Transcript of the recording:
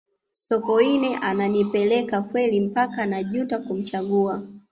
sokoine ananipeleka kweli mpaka najuta kumchagua